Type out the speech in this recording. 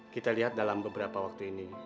kita lihat dalam beberapa waktu ini